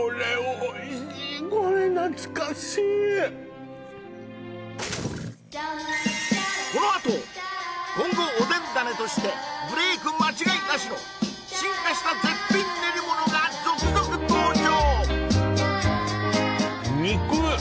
これ懐かしいこのあと今後おでん種としてブレイク間違いなしの進化した絶品練り物が続々登場！